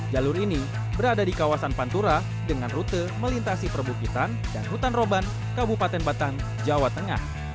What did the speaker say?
jalur ini berada di kawasan pantura dengan rute melintasi perbukitan dan hutan roban kabupaten batang jawa tengah